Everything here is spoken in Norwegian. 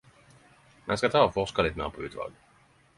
Men skal ta å forske litt meir på utvalet.